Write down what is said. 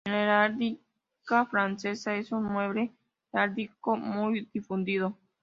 En la heráldica francesa es un mueble heráldico muy difundido.